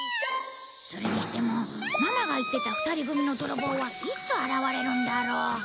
それにしてもママが言ってた２人組の泥棒はいつ現れるんだろう？